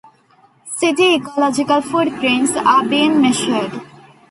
City Ecological Footprints: are being measured.